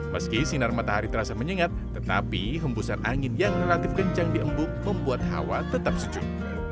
meski sinar matahari terasa menyengat tetapi hembusan angin yang relatif kencang di embung membuat hawa tetap sejuk